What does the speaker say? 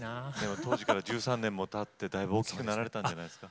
当時から１３年たって大きくなられたんじゃないですか。